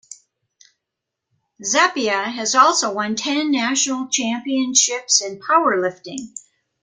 Zappia has also won ten National Championships in powerlifting.